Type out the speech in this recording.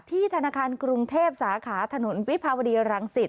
ธนาคารกรุงเทพสาขาถนนวิภาวดีรังสิต